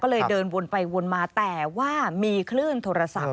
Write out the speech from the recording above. ก็เลยเดินวนไปวนมาแต่ว่ามีคลื่นโทรศัพท์